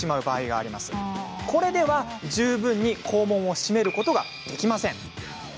これでは十分に肛門をしめることができません。